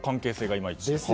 いまいち。